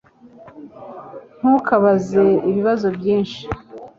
Ntukabaze ibibazo byinshi